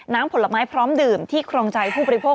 ผลไม้พร้อมดื่มที่ครองใจผู้บริโภค